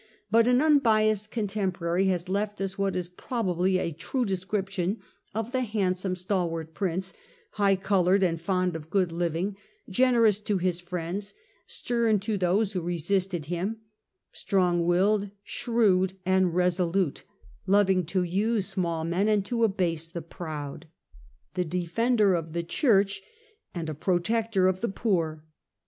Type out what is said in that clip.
AND ST LOUIS 195 but an unbiassed contemporary has left us what is pro bably a true description of the handsome, stalwart prince, high coloured and fond of good living, generous to his friends, stern to those wdio resisted him, strong willed, shrewd and resolute, loving to use small men and to abase the proud, the defender of the Church and the protector of the poor.